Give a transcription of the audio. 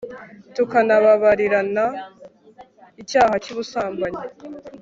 tukanababarirana icyaha cy'ubusambanyi